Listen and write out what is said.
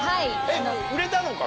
売れたのか？